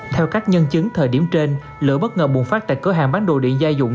theo các nhân chứng thời điểm trên lửa bất ngờ bùng phát tại cửa hàng bán đồ điện gia dụng